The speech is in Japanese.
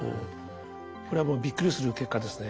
これはもうびっくりする結果ですね。